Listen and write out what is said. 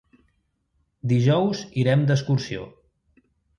Dijous irem d'excursió.